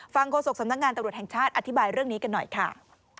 โฆษกสำนักงานตำรวจแห่งชาติอธิบายเรื่องนี้กันหน่อยค่ะ